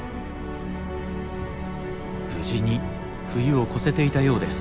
無事に冬を越せていたようです。